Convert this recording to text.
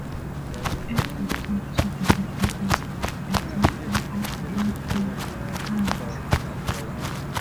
It is thought to be the earliest example of man-made flight.